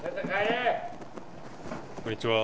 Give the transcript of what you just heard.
こんにちは。